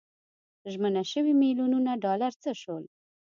ژمنه شوي میلیونونه ډالر څه شول.